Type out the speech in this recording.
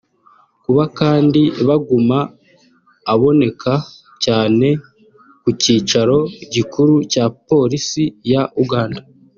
Kuba kandi Baguma aboneka cyane ku kicaro gikuru cya Polisi ya Uganda